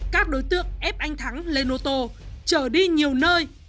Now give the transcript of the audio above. các đối tượng ép anh thắng lên ô tô chở đi nhiều nơi